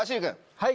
はい。